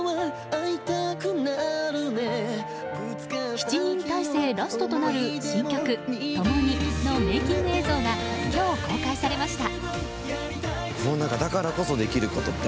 ７人体制ラストとなる新曲「ともに」のメイキング映像が今日公開されました。